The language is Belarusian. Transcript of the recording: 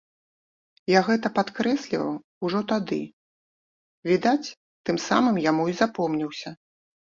Я гэта падкрэсліваў ужо тады, відаць, тым самым яму і запомніўся.